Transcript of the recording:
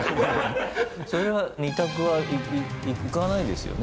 それは２択は「行かない」ですよね？